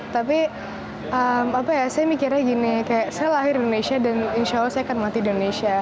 tapi apa ya saya mikirnya gini kayak saya lahir di indonesia dan insya allah saya akan mati di indonesia